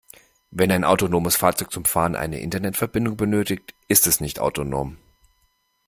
Wenn ein autonomes Fahrzeug zum Fahren eine Internetverbindung benötigt, ist es nicht autonom.